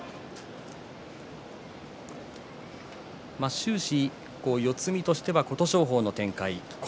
終始四つ身としては琴勝峰の展開。